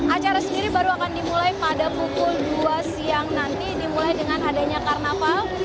acara sendiri baru akan dimulai pada pukul dua siang nanti dimulai dengan adanya karnaval